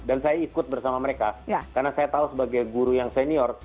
saya ikut bersama mereka karena saya tahu sebagai guru yang senior